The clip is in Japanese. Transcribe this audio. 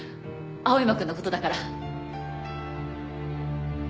青山くんの事だから。